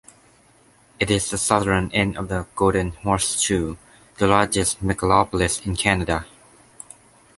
It is the southern end of the Golden Horseshoe, the largest megalopolis in Canada.